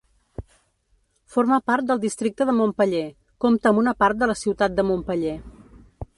Forma part del districte de Montpeller, compta amb una part de la ciutat de Montpeller.